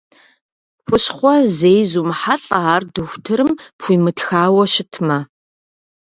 Хущхъуэ зэи зумыхьэлӀэ, ар дохутырым пхуимытхауэ щытмэ.